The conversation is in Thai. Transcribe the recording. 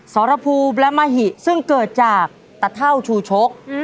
สรภูมิและมหิซึ่งเกิดจากตะเท่าชูชก